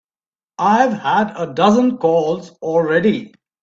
I've had a dozen calls already.